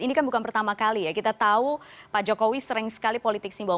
ini kan bukan pertama kali ya kita tahu pak jokowi sering sekali politik simbol